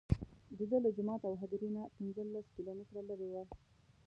دده له جومات او هدیرې نه پنځه لس کیلومتره لرې وه.